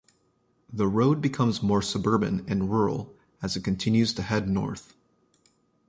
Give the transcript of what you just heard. The road becomes more suburban and rural as it continues to head north.